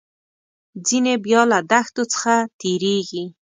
ځینې بیا له دښتو څخه تیریږي.